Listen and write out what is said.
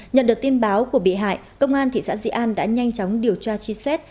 nhận được tin báo của bị hại công an thị xã di an đã nhanh chóng điều tra truy xét